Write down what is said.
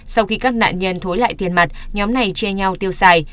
sau khi các nạn nhân thối lại tiền mặt nhóm này chia nhau tiêu xài